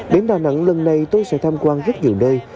đến đà nẵng lần này tôi sẽ tham quan rất nhiều nơi